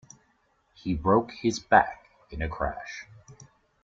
He broke his back in a crash.